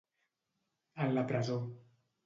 En la presó.